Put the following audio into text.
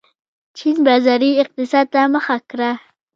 چین بازاري اقتصاد ته مخه کړه.